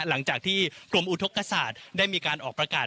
หลังจากที่กรมอุทธกษาตได้มีการออกประกาศ